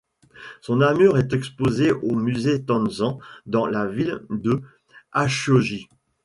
Son armure est exposée au musée Tenzan dans la ville de Hachiōji.